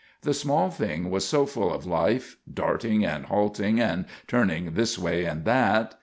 The small thing was so full of life, darting and halting and turning this way and that!